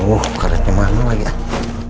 oh karetnya mahal lagi